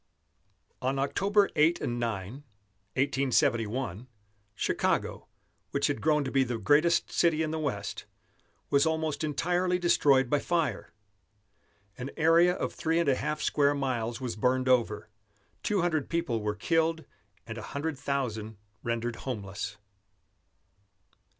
On October 8 and 9, 1871, Chicago, which had grown to be the greatest city in the West, was almost entirely destroyed by fire. An area of three and a half square miles was burned over; two hundred people were killed and a hundred thousand rendered homeless.